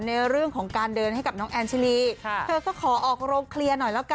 แฟนดังงามผิดหวังเรื่องเพอร์ฟอร์แมนต์บนเวทีอย่างหนัก